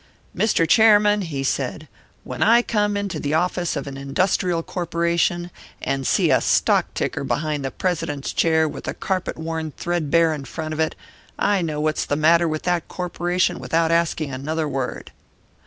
'Mr. Chairman,' he said, 'when I come into the office of an industrial corporation, and see a stock ticker behind the president's chair with the carpet worn threadbare in front of it, I know what's the matter with that corporation without asking another word.'"